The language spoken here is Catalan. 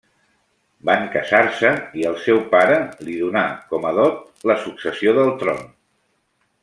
Van casar-se i el seu pare li donà com a dot la successió del tron.